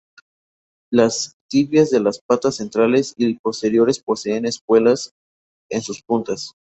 Las tibias de las patas centrales y posteriores poseen espuelas en sus puntas.